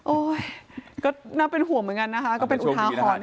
ก็น่าเป็นห่วงเหมือนกันนะคะก็เป็นอุทาหรณ์